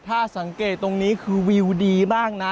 ถ้าสังเกตตรงนี้คือวิวดีมากนะ